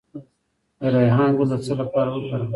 د ریحان ګل د څه لپاره وکاروم؟